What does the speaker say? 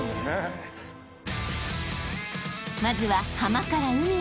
［まずは浜から海へ］